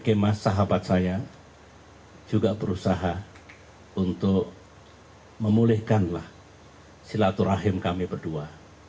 saya pikir mas sahabat saya juga berusaha untuk memulihkanlah silaturahim kami berdua